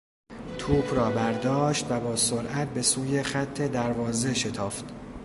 توپ را برداشت و با سرعت به سوی خط دروازه شتافت.